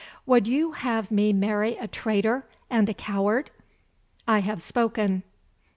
Would you have me marry a traitor and a coward? I have spoken."